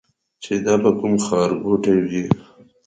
چې دا به کوم ښار ګوټی وي.